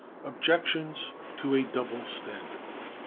Objections to a Double Standard.